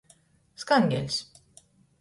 Skangeļs.